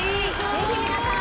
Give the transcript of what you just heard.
ぜひ皆さん